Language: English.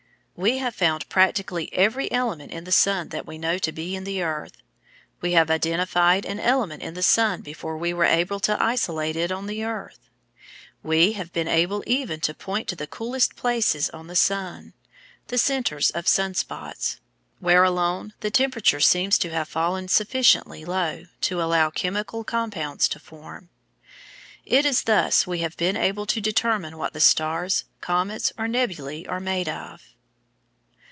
We have found practically every element in the sun that we know to be in the earth. We have identified an element in the sun before we were able to isolate it on the earth. We have been able even to point to the coolest places on the sun, the centres of sun spots, where alone the temperature seems to have fallen sufficiently low to allow chemical compounds to form. It is thus we have been able to determine what the stars, comets, or nebulæ are made of.